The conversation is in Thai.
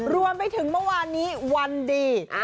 รวมไปถึงเมื่อวานนี้วันดี